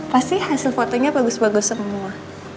pasti hasil fotonya bagus bagus semua